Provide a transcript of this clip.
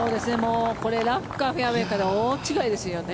これラフかフェアウェーかで大違いですよね。